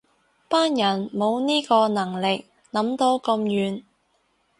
班人冇呢個能力諗到咁遠